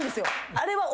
あれは。